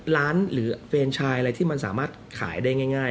หรือเฟรนชายอะไรที่มันสามารถขายได้ง่าย